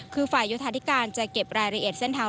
คือไฟยุทธาตุฯที่การจะเก็บรายละเอียดเส้นทาง